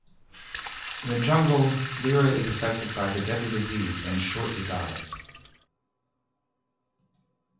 In the jungle, Lyra is affected by the deadly disease and shortly dies.